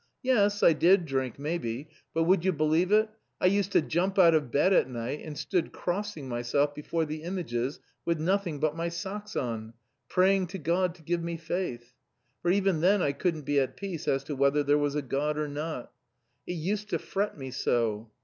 Yes, I did drink, maybe, but would you believe it, I used to jump out of bed at night and stood crossing myself before the images with nothing but my socks on, praying to God to give me faith; for even then I couldn't be at peace as to whether there was a God or not. It used to fret me so!